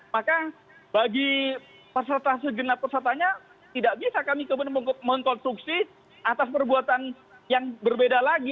maka bagi peserta sejenak pesertanya tidak bisa kami kemudian mengkonstruksi atas perbuatan yang berbeda lagi